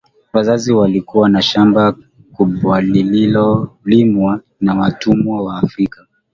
Wazazi walikuwa na shamba kubwalililolimwa na watumwa Waafrika